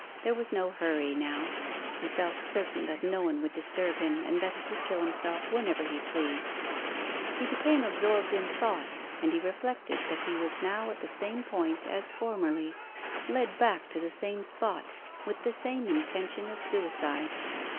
There was no hurry now; he felt certain that no one would disturb him, and that he could kill himself whenever he pleased. He became absorbed in thought, and he reflected that he was now at the same point as formerly — led back to the same spot, with the same intention of suicide.